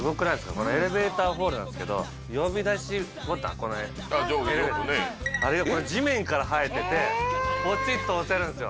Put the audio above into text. これエレベーターホールなんですけど呼び出しボタンこの上下よくねあれがこれ地面から生えててポチッと押せるんですよ